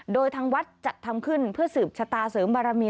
โดยทางวัดจัดทำขึ้นเพื่อสืบชะตาเสริมบารมี